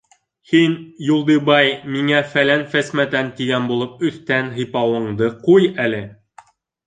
- Һин, Юлдыбай, миңә фәлән-фәсмәтән тигән булып, өҫтән һыйпауыңды ҡуй әле.